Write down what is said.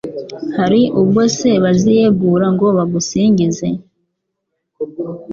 Hari ubwo se baziyegura ngo bagusingize?